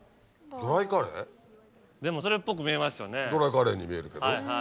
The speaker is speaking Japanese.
ドライカレーに見えるけど。